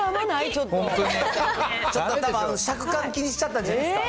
ちょっと、尺かん気にしちゃったんじゃないですか？